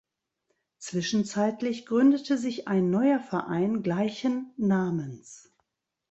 Zwischenzeitlich gründete sich ein neuer Verein gleichen Namens.